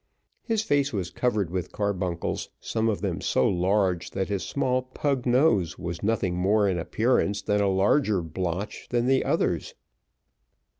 His face was covered with carbuncles, some of them so large that his small pug nose was nothing more in appearance than a larger blotch than the others.